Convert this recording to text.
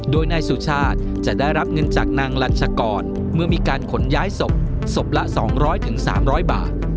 โดยนายสุชาติจะได้รับเงินจากนางลัญชากรเมื่อมีการขนย้ายศพศพละ๒๐๐๓๐๐บาท